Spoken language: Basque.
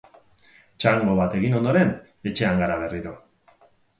Txango bat egin ondoren, etxean gara berriro.